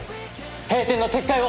閉店の撤回を。